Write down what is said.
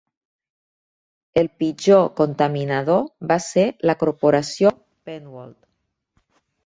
El pitjor contaminador va ser la corporació Pennwalt.